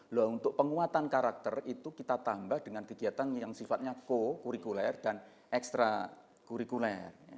loh untuk penguatan karakter itu kita tambah dengan kegiatan yang sifatnya co kurikuler dan ekstra kurikuler